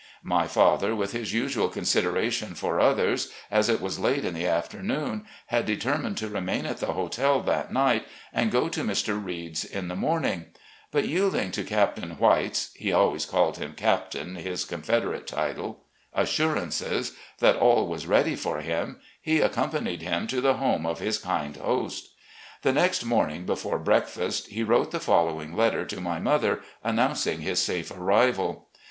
My father, with his usual consideration for others, as it was late in the afternoon, had determined to remain at the hotel that night and go to Mr. Reid's in the morning; but yielding to Captain White's (he always called him " Captain," his Confederate title) assurances that all was ready for him, he accom panied him to the home of his kind host. The next morning, before breakfast, he wrote the fol lowing letter to my mother announcing his safe arrival.